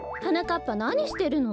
っぱなにしてるの？